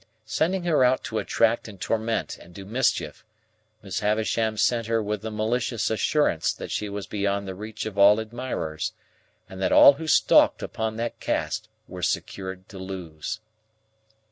Sending her out to attract and torment and do mischief, Miss Havisham sent her with the malicious assurance that she was beyond the reach of all admirers, and that all who staked upon that cast were secured to lose.